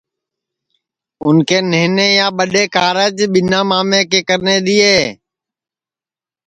اُن کے نہنے یا ٻڈؔے کارج ٻیٹؔا مامے کے کرنے دؔیئے